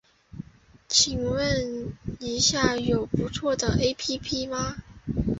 请问一下有不错的 ㄟＰＰ 吗